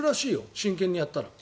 真剣にやったら。